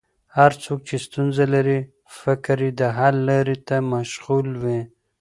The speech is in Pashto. هر څوک چې ستونزه لري، فکر یې د حل لارې ته مشغول وي.